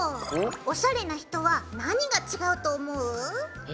おしゃれな人は何が違うと思う？え？